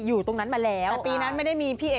ซึ่งเวทีนางสาวสมีระเนี่ย